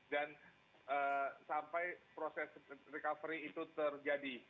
dan sampai proses recovery itu terjadi